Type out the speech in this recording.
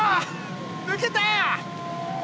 抜けた！